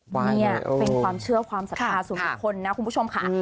นี่เป็นความเชื่อความศรัทธาส่วนบุคคลนะคุณผู้ชมค่ะ